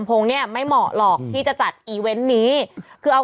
เป็นการกระตุ้นการไหลเวียนของเลือด